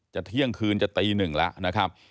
เที่ยงคืนจะตีหนึ่งแล้วนะครับ